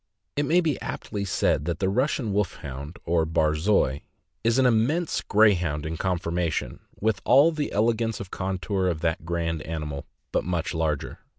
It may be aptly said that the Russian Wolfhound, or Barzoi, is an immense Grey hound in conformation, with all the elegance of contour of that grand animal, but much larger.